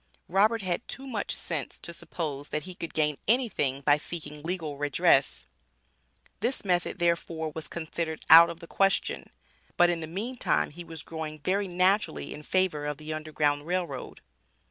Robert had too much sense to suppose that he could gain anything by seeking legal redress. This method, therefore, was considered out of the question. But in the meantime he was growing very naturally in favor of the Underground Rail Road.